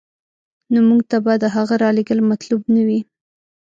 نو موږ ته به د هغه رالېږل مطلوب نه وي.